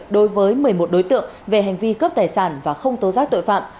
đối với một mươi một đối tượng về hành vi cướp tài sản và không tố giác tội phạm